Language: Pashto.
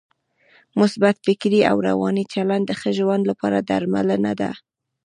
مثبت فکري او روانی چلند د ښه ژوند لپاره درملنه ده.